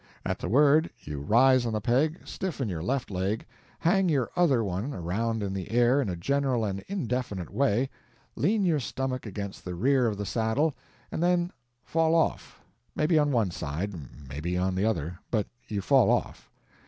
At the word, you rise on the peg, stiffen your left leg, hang your other one around in the air in a general in indefinite way, lean your stomach against the rear of the saddle, and then fall off, maybe on one side, maybe on the other; but you fall off.